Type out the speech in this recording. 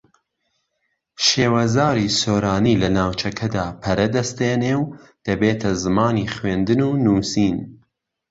شێوەزاری سۆرانی لە ناوچەکەدا پەرە دەستێنێ و دەبێتە زمانی خوێندن و نووسین